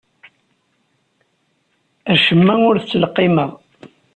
Acemma ur t-ttleqqimeɣ.